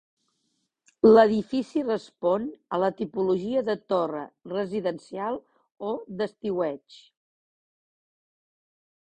L'edifici respon a la tipologia de torre residencial o d'estiueig.